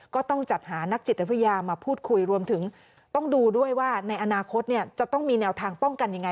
ก็ต้องจัดหานักจิตวิทยามาพูดคุยรวมถึงต้องดูด้วยว่าในอนาคตจะต้องมีแนวทางป้องกันยังไง